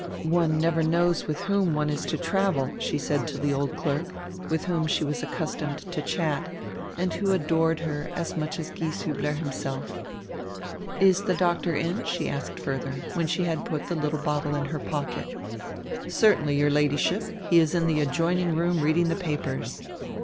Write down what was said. "One never knows with whom one is to travel," she said to tire old clerk, with whom she was accustonred to chat, and who adored her as much as Gieshiibler himself. "Is tire doctor in?" she asked further, when she had put tire little bottle in her pocket. "Certainly, your Ladyship, he is in tire adjoining roonr reading tire papers."